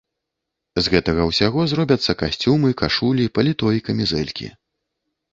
З гэтага ўсяго зробяцца касцюмы, кашулі, паліто і камізэлькі.